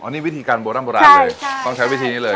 นี่วิธีการโบร่ำโบราณเลยต้องใช้วิธีนี้เลย